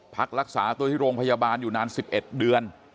พักรักษาตัวที่โรงพยาบาลอยู่นาน๑๑เดือน